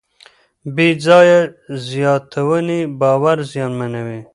بېځایه زیاتونې باور زیانمنوي.